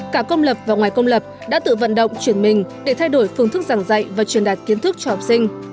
cả công lập và ngoài công lập đã tự vận động chuyển mình để thay đổi phương thức giảng dạy và truyền đạt kiến thức cho học sinh